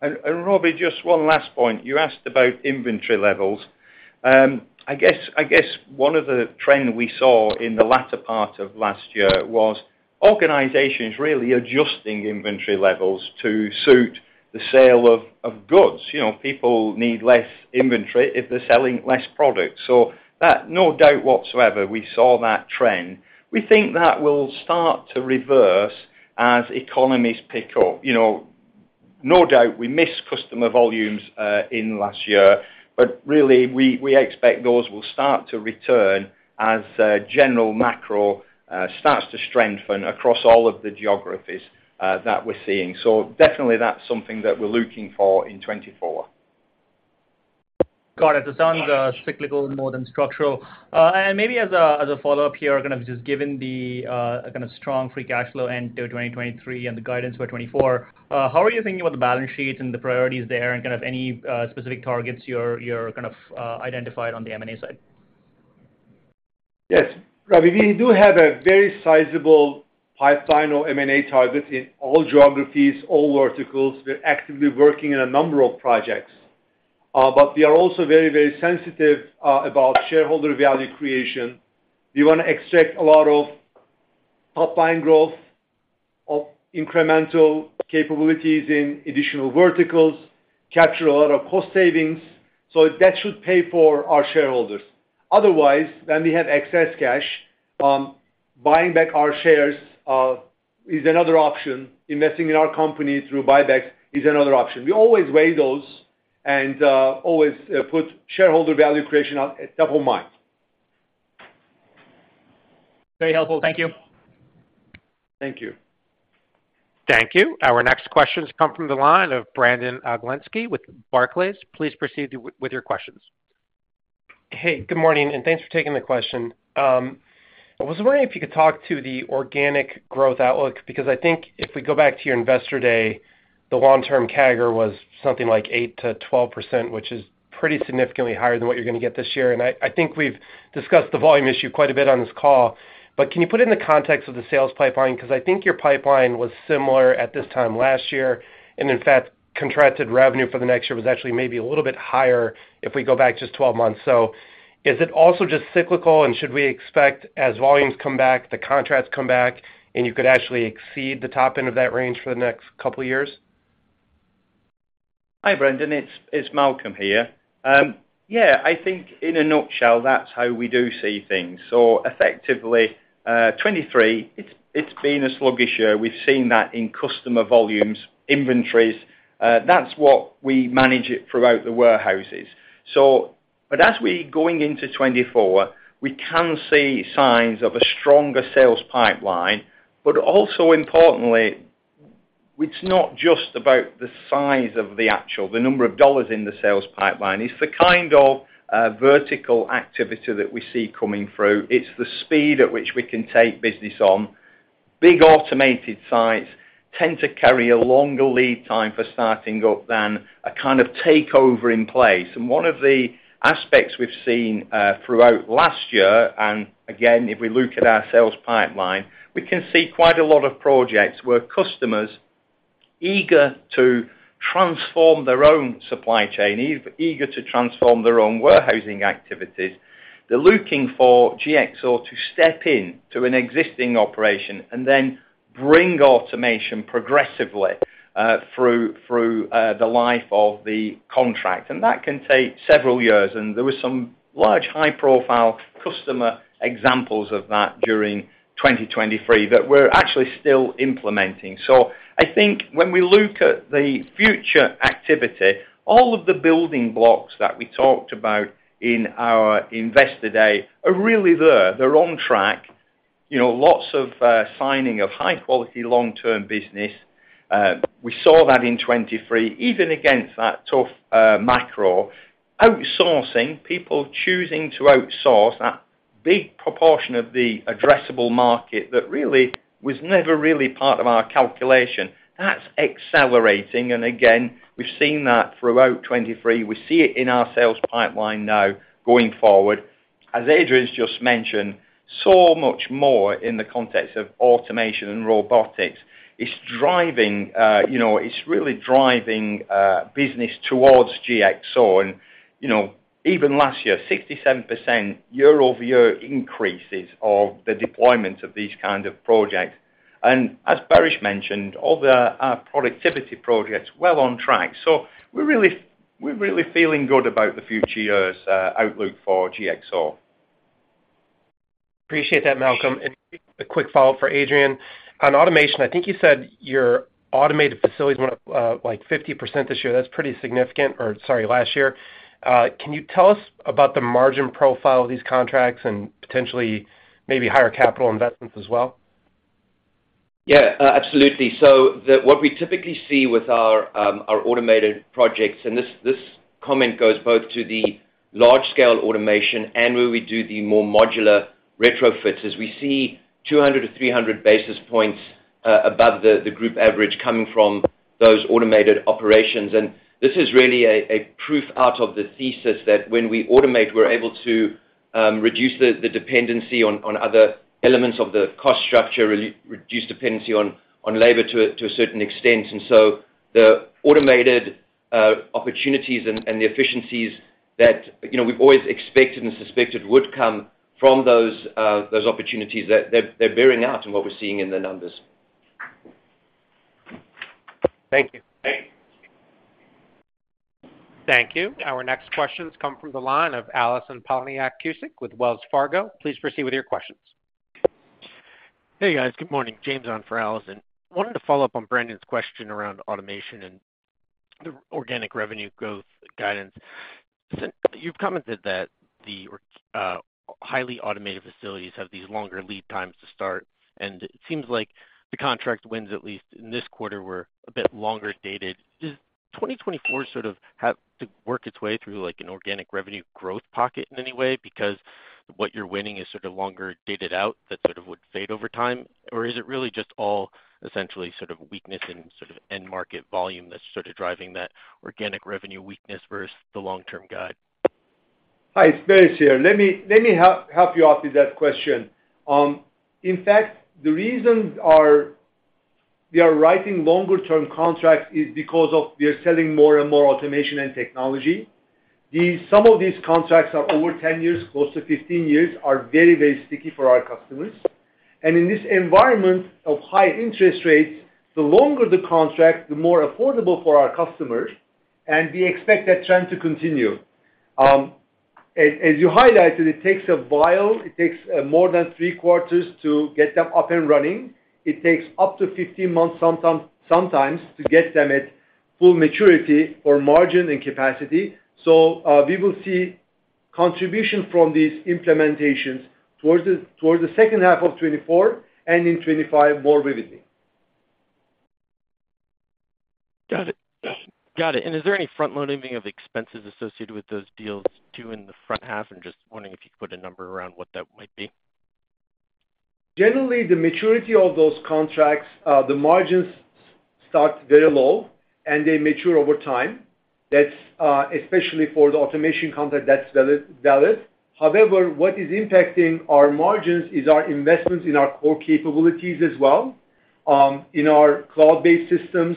And Ravi, just one last point. You asked about inventory levels. I guess one of the trends we saw in the latter part of last year was organizations really adjusting inventory levels to suit the sale of goods. You know, people need less inventory if they're selling less products. So that no doubt whatsoever, we saw that trend. We think that will start to reverse as economies pick up. You know, no doubt, we missed customer volumes in last year, but really, we expect those will start to return as general macro starts to strengthen across all of the geographies that we're seeing. So definitely that's something that we're looking for in 2024. Got it. So sounds cyclical more than structural. And maybe as a follow-up here, kind of just given the kind of strong free cash flow end to 2023 and the guidance for 2024, how are you thinking about the balance sheet and the priorities there, and kind of any specific targets you're kind of identified on the M&A side? Yes. Ravi, we do have a very sizable pipeline of M&A targets in all geographies, all verticals. We're actively working on a number of projects. But we are also very, very sensitive about shareholder value creation. We wanna extract a lot of top-line growth of incremental capabilities in additional verticals, capture a lot of cost savings, so that should pay for our shareholders. Otherwise, when we have excess cash, buying back our shares is another option. Investing in our company through buybacks is another option. We always weigh those and always put shareholder value creation at top of mind. Very helpful. Thank you. Thank you. Thank you. Our next questions come from the line of Brandon Oglenski with Barclays. Please proceed with your questions. Hey, good morning, and thanks for taking the question. I was wondering if you could talk to the organic growth outlook, because I think if we go back to your Investor Day, the long-term CAGR was something like 8%-12%, which is pretty significantly higher than what you're gonna get this year. And I, I think we've discussed the volume issue quite a bit on this call. But can you put it in the context of the sales pipeline? Because I think your pipeline was similar at this time last year, and in fact, contracted revenue for the next year was actually maybe a little bit higher if we go back just 12 months. Is it also just cyclical, and should we expect, as volumes come back, the contracts come back, and you could actually exceed the top end of that range for the next couple of years? Hi, Brandon. It's Malcolm here. Yeah, I think in a nutshell, that's how we do see things. So effectively, 2023, it's been a sluggish year. We've seen that in customer volumes, inventories. That's what we manage throughout the warehouses. So, but as we going into 2024, we can see signs of a stronger sales pipeline, but also importantly, it's not just about the size of the actual, the number of dollars in the sales pipeline. It's the kind of vertical activity that we see coming through. It's the speed at which we can take business on. Big automated sites tend to carry a longer lead time for starting up than a kind of takeover in place. One of the aspects we've seen throughout last year, and again, if we look at our sales pipeline, we can see quite a lot of projects where customers eager to transform their own supply chain, eager to transform their own warehousing activities, they're looking for GXO to step in to an existing operation and then bring automation progressively through the life of the contract. That can take several years, and there were some large, high-profile customer examples of that during 2023, that we're actually still implementing. I think when we look at the future activity, all of the building blocks that we talked about in our Investor Day are really there. They're on track. You know, lots of signing of high-quality, long-term business. We saw that in 2023, even against that tough macro outsourcing, people choosing to outsource that big proportion of the addressable market that really was never really part of our calculation. That's accelerating, and again, we've seen that throughout 2023. We see it in our sales pipeline now going forward. As Adrian's just mentioned, so much more in the context of automation and robotics, it's driving, you know, it's really driving business towards GXO. And, you know, even last year, 67% year-over-year increases of the deployment of these kind of projects. And as Baris mentioned, all the productivity projects well on track. So we're really, we're really feeling good about the future years outlook for GXO. Appreciate that, Malcolm. And a quick follow-up for Adrian. On automation, I think you said your automated facilities went up, like 50% this year. That's pretty significant... Or sorry, last year. Can you tell us about the margin profile of these contracts and potentially maybe higher capital investments as well? Yeah, absolutely. So what we typically see with our automated projects, and this comment goes both to the large-scale automation and where we do the more modular retrofits, is we see 200-300 basis points above the group average coming from those automated operations. And this is really a proof out of the thesis that when we automate, we're able to reduce the dependency on other elements of the cost structure, reduce dependency on labor to a certain extent. And so the automated opportunities and the efficiencies that, you know, we've always expected and suspected would come from those opportunities, they're bearing out in what we're seeing in the numbers. Thank you. Thank you. Thank you. Our next questions come from the line of Allison Poliniak-Cusic with Wells Fargo. Please proceed with your questions. Hey, guys. Good morning. James on for Allison. Wanted to follow up on Brandon's question around automation and the organic revenue growth guidance. Since you've commented that the highly automated facilities have these longer lead times to start, and it seems like the contract wins, at least in this quarter, were a bit longer dated. Does 2024 sort of have to work its way through, like, an organic revenue growth pocket in any way? Because what you're winning is sort of longer dated out, that sort of would fade over time. Or is it really just all essentially sort of weakness in sort of end market volume that's sort of driving that organic revenue weakness versus the long-term guide? Hi, it's Baris here. Let me help you out with that question. In fact, the reasons are we are writing longer term contracts is because of we are selling more and more automation and technology. Some of these contracts are over 10 years, close to 15 years, are very, very sticky for our customers. In this environment of high interest rates, the longer the contract, the more affordable for our customers, and we expect that trend to continue. As you highlighted, it takes a while. It takes more than three quarters to get them up and running. It takes up to 15 months, sometimes, to get them at full maturity or margin and capacity. So, we will see contribution from these implementations towards the second half of 2024 and in 2025, more vividly. Got it. Got it. And is there any front-loading of expenses associated with those deals, too, in the front half? I'm just wondering if you could put a number around what that might be. Generally, the maturity of those contracts, the margins start very low, and they mature over time. That's especially for the automation contract, that's valid. However, what is impacting our margins is our investments in our core capabilities as well, in our cloud-based systems,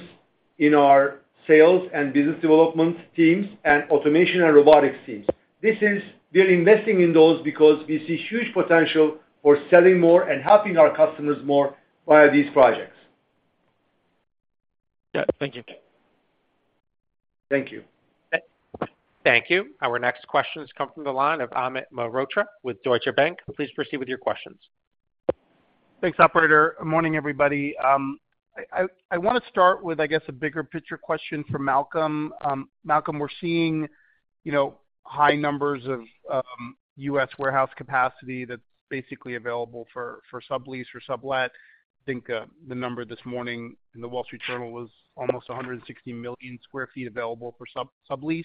in our sales and business development teams, and automation and robotics teams. We're investing in those because we see huge potential for selling more and helping our customers more via these projects. Yeah. Thank you. Thank you. Thank you. Our next question has come from the line of Amit Mehrotra with Deutsche Bank. Please proceed with your questions. Thanks, operator. Morning, everybody. I wanna start with, I guess, a bigger picture question for Malcolm. Malcolm, we're seeing, you know, high numbers of U.S. warehouse capacity that's basically available for sublease or sublet. I think the number this morning in The Wall Street Journal was almost 160 million sq ft available for sublease.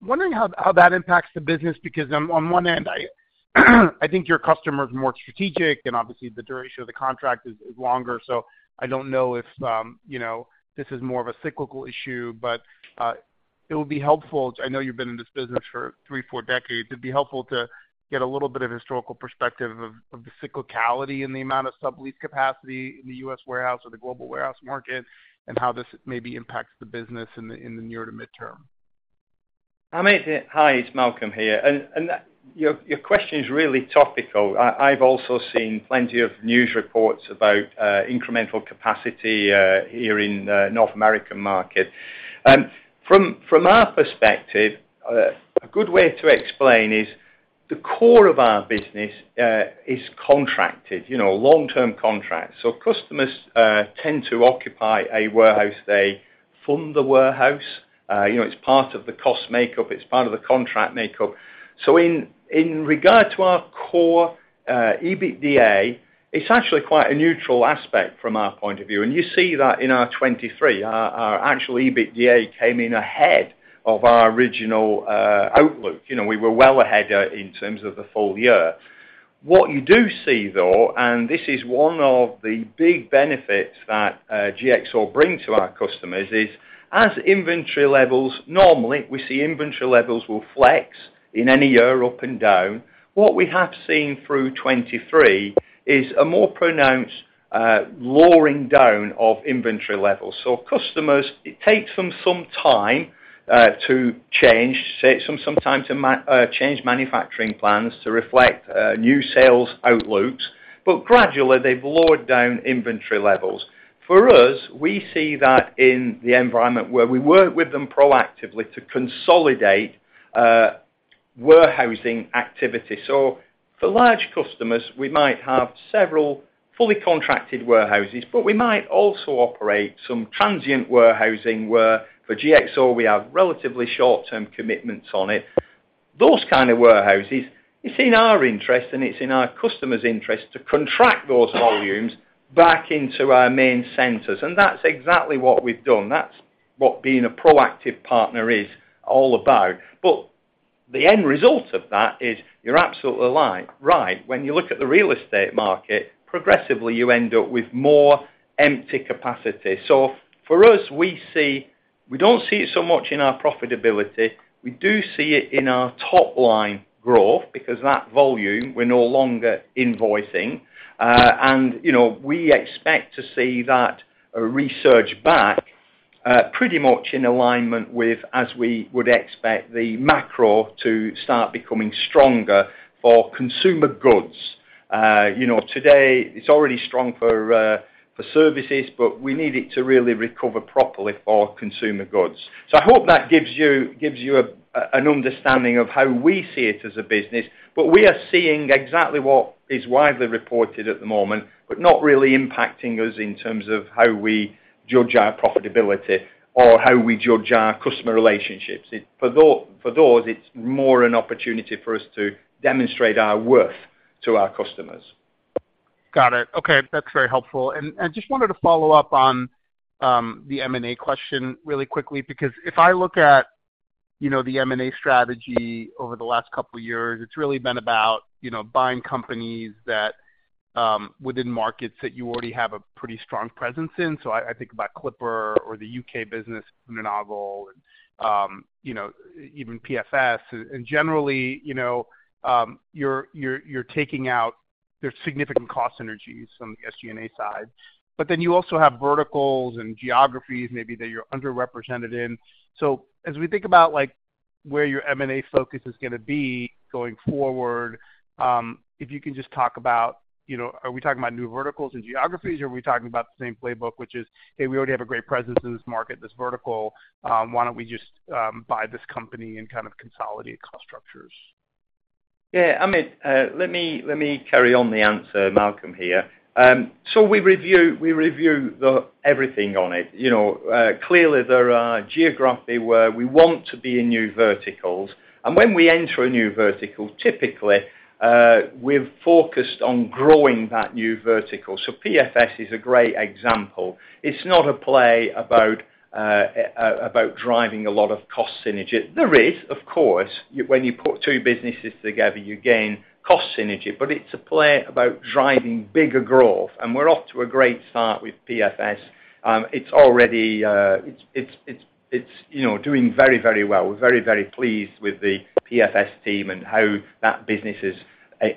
Wondering how that impacts the business, because on one end, I think your customer is more strategic, and obviously, the duration of the contract is longer. So I don't know if you know, this is more of a cyclical issue, but it would be helpful. I know you've been in this business for 3 or 4 decades. It'd be helpful to get a little bit of historical perspective of the cyclicality in the amount of sublease capacity in the U.S. warehouse or the global warehouse market, and how this maybe impacts the business in the near to midterm. Amit, hi, it's Malcolm here. And that, your question is really topical. I've also seen plenty of news reports about incremental capacity here in the North American market. From our perspective, a good way to explain is the core of our business is contracted, you know, long-term contracts. So customers tend to occupy a warehouse. They fund the warehouse. You know, it's part of the cost makeup, it's part of the contract makeup. So in regard to our core EBITDA, it's actually quite a neutral aspect from our point of view, and you see that in our 2023. Our actual EBITDA came in ahead of our original outlook. You know, we were well ahead in terms of the full year. What you do see, though, and this is one of the big benefits that, GXO bring to our customers, is as inventory levels. Normally, we see inventory levels will flex in any year, up and down. What we have seen through 2023 is a more pronounced, lowering down of inventory levels. So customers, it takes them some time, to change, takes them some time to change manufacturing plans to reflect, new sales outlooks, but gradually, they've lowered down inventory levels. For us, we see that in the environment where we work with them proactively to consolidate, warehousing activity. So for large customers, we might have several fully contracted warehouses, but we might also operate some transient warehousing, where for GXO, we have relatively short-term commitments on it. Those kind of warehouses, it's in our interest, and it's in our customers' interest to contract those volumes back into our main centers, and that's exactly what we've done. That's what being a proactive partner is all about. But the end result of that is, you're absolutely right. When you look at the real estate market, progressively, you end up with more empty capacity. So for us, we see. We don't see it so much in our profitability. We do see it in our top line growth, because that volume, we're no longer invoicing. And, you know, we expect to see that resurge back pretty much in alignment with as we would expect the macro to start becoming stronger for consumer goods. You know, today, it's already strong for, for services, but we need it to really recover properly for consumer goods. So I hope that gives you an understanding of how we see it as a business, but we are seeing exactly what is widely reported at the moment, but not really impacting us in terms of how we judge our profitability or how we judge our customer relationships. For those, it's more an opportunity for us to demonstrate our worth to our customers. Got it. Okay, that's very helpful. And just wanted to follow up on the M&A question really quickly, because if I look at, you know, the M&A strategy over the last couple of years, it's really been about, you know, buying companies that within markets that you already have a pretty strong presence in. So I think about Clipper or the U.K. business, [Meneval], and you know, even PFS. And generally, you know, you're taking out. There's significant cost synergies on the SG&A side. But then you also have verticals and geographies maybe that you're underrepresented in. As we think about, like, where your M&A focus is gonna be going forward, if you can just talk about, you know, are we talking about new verticals and geographies, or are we talking about the same playbook, which is, "Hey, we already have a great presence in this market, this vertical, why don't we just buy this company and kind of consolidate cost structures? Yeah, Amit, let me carry on the answer, Malcolm here. So we review the everything on it. You know, clearly, there are geographies where we want to be in new verticals, and when we enter a new vertical, typically, we've focused on growing that new vertical. So PFS is a great example. It's not a play about driving a lot of cost synergy. There is, of course, when you put two businesses together, you gain cost synergy, but it's a play about driving bigger growth, and we're off to a great start with PFS. It's already, you know, doing very, very well. We're very, very pleased with the PFS team and how that business is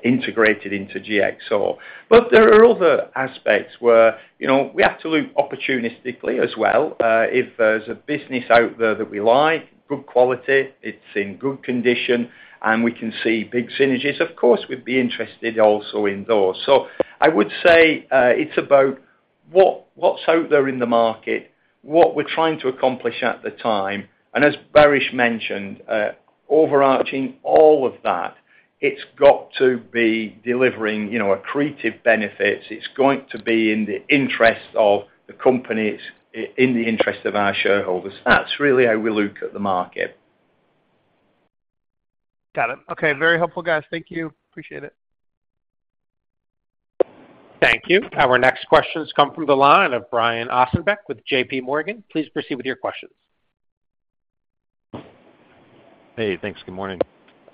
integrated into GXO. But there are other aspects where, you know, we have to look opportunistically as well. If there's a business out there that we like, good quality, it's in good condition, and we can see big synergies, of course, we'd be interested also in those. So I would say, it's about what's out there in the market, what we're trying to accomplish at the time, and as Baris mentioned, overarching all of that, it's got to be delivering, you know, accretive benefits. It's going to be in the interest of the companies, in the interest of our shareholders. That's really how we look at the market. Got it. Okay, very helpful, guys. Thank you. Appreciate it. Thank you. Our next questions come from the line of Brian Ossenbeck with JPMorgan. Please proceed with your questions. Hey, thanks. Good morning.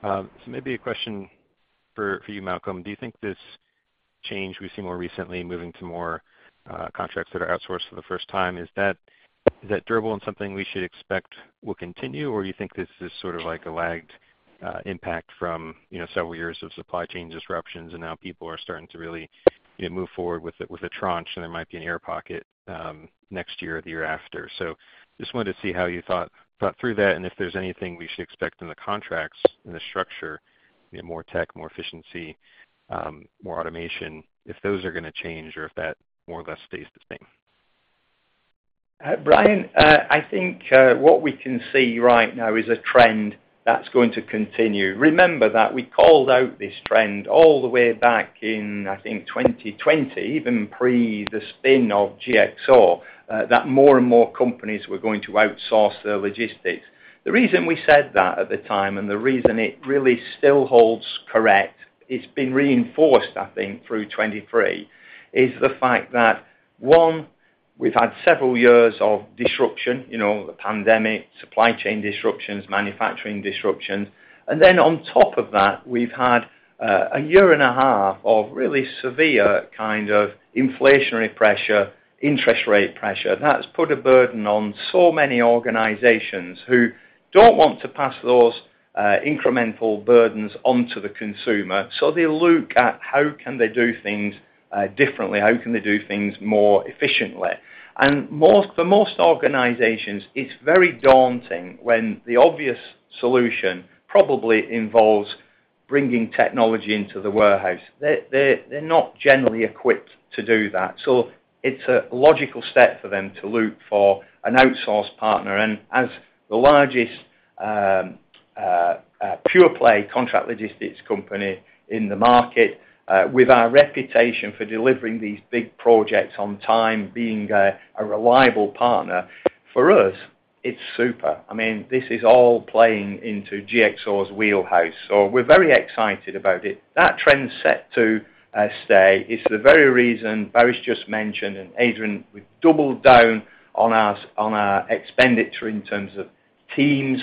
So maybe a question for, for you, Malcolm. Do you think this change we've seen more recently, moving to more contracts that are outsourced for the first time, is that, is that durable and something we should expect will continue, or you think this is sort of like a lagged impact from, you know, several years of supply chain disruptions, and now people are starting to really, you know, move forward with a, with a tranche, and there might be an air pocket next year or the year after? So just wanted to see how you thought, thought through that and if there's anything we should expect in the contracts, in the structure, maybe more tech, more efficiency, more automation, if those are gonna change or if that more or less stays the same. Brian, I think what we can see right now is a trend that's going to continue. Remember that we called out this trend all the way back in, I think, 2020, even pre the spin of GXO, that more and more companies were going to outsource their logistics. The reason we said that at the time, and the reason it really still holds correct, it's been reinforced, I think, through 2023, is the fact that, one, we've had several years of disruption, you know, the pandemic, supply chain disruptions, manufacturing disruptions. And then on top of that, we've had a year and a half of really severe kind of inflationary pressure, interest rate pressure. That's put a burden on so many organizations who don't want to pass those, incremental burdens onto the consumer, so they look at how can they do things, differently, how can they do things more efficiently? And for most organizations, it's very daunting when the obvious solution probably involves bringing technology into the warehouse. They, they're not generally equipped to do that, so it's a logical step for them to look for an outsource partner. And as the largest, pure-play contract logistics company in the market, with our reputation for delivering these big projects on time, being a reliable partner, for us, it's super. I mean, this is all playing into GXO's wheelhouse, so we're very excited about it. That trend's set to stay. It's the very reason Baris just mentioned, and Adrian, we've doubled down on our, on our expenditure in terms of teams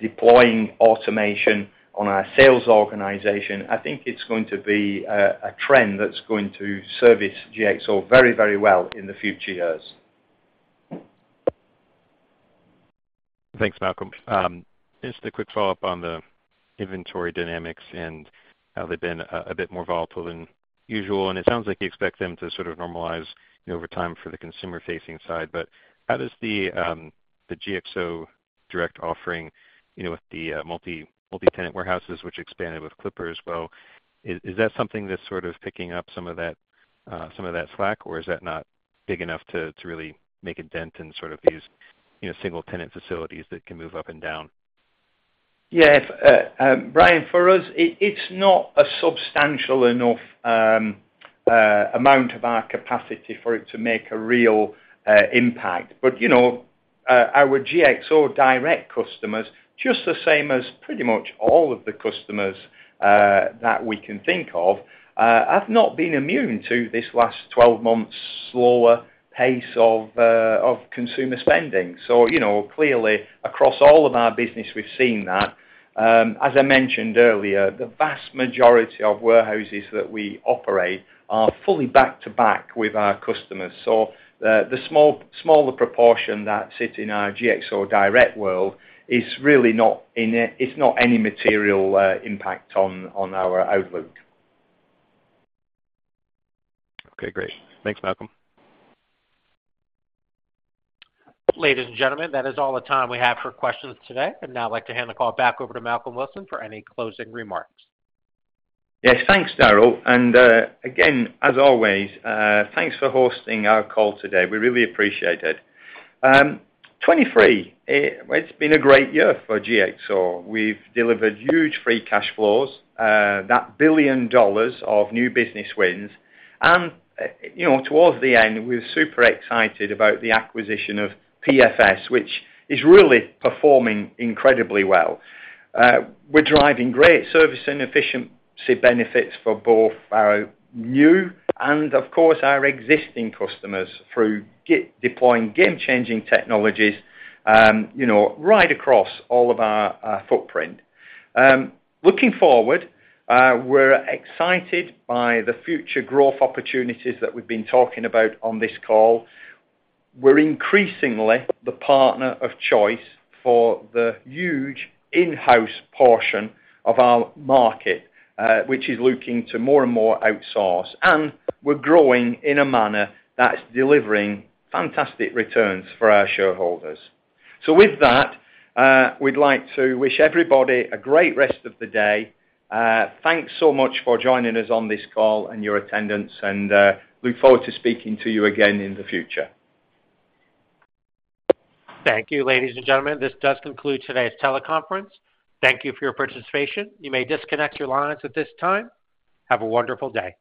deploying automation on our sales organization. I think it's going to be a trend that's going to service GXO very, very well in the future years. Thanks, Malcolm. Just a quick follow-up on the inventory dynamics and how they've been a bit more volatile than usual, and it sounds like you expect them to sort of normalize, you know, over time for the consumer-facing side. But how does the GXO Direct offering, you know, with the multi-tenant warehouses, which expanded with Clipper as, well, is that something that's sort of picking up some of that, some of that slack, or is that not big enough to really make a dent in sort of these, you know, single-tenant facilities that can move up and down? Yeah, Brian, for us, it's not a substantial enough amount of our capacity for it to make a real impact. But, you know, our GXO Direct customers, just the same as pretty much all of the customers that we can think of, have not been immune to this last 12 months slower pace of consumer spending. So, you know, clearly, across all of our business, we've seen that. As I mentioned earlier, the vast majority of warehouses that we operate are fully back-to-back with our customers. So the smaller proportion that sit in our GXO Direct world is really not. It's not any material impact on our outlook. Okay, great. Thanks, Malcolm. Ladies and gentlemen, that is all the time we have for questions today. I'd now like to hand the call back over to Malcolm Wilson for any closing remarks. Yes, thanks, Daryl, and, again, as always, thanks for hosting our call today. We really appreciate it. 2023, it's been a great year for GXO. We've delivered huge free cash flows, $1 billion of new business wins, and, you know, towards the end, we were super excited about the acquisition of PFS, which is really performing incredibly well. We're driving great service and efficiency benefits for both our new and, of course, our existing customers through deploying game-changing technologies, you know, right across all of our footprint. Looking forward, we're excited by the future growth opportunities that we've been talking about on this call. We're increasingly the partner of choice for the huge in-house portion of our market, which is looking to more and more outsource, and we're growing in a manner that's delivering fantastic returns for our shareholders. So with that, we'd like to wish everybody a great rest of the day. Thanks so much for joining us on this call and your attendance, and look forward to speaking to you again in the future. Thank you, ladies and gentlemen. This does conclude today's teleconference. Thank you for your participation. You may disconnect your lines at this time. Have a wonderful day!